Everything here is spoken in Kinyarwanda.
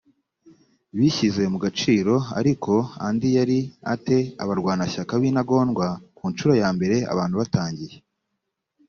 bishyize mu gaciro ariko andi yari a te abarwanashyaka b intagondwa ku ncuro ya mbere abantu batangiye